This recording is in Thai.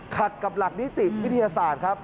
ขัดกับหลักนิติวิทยาศาสตร์ครับ